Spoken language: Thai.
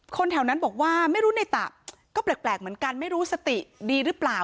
แถวนั้นบอกว่าไม่รู้ในตะก็แปลกเหมือนกันไม่รู้สติดีหรือเปล่า